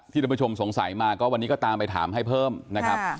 ท่านผู้ชมสงสัยมาก็วันนี้ก็ตามไปถามให้เพิ่มนะครับ